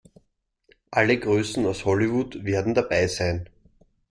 Alle Größen aus Hollywood werden dabei sein.